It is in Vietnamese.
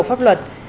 của pháp luật